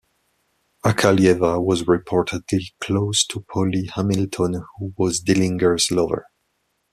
Akalieva was reportedly close to Polly Hamilton, who was Dillinger's lover.